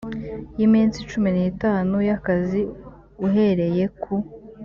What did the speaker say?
y iminsi cumi n itanu y akazi uhereye ku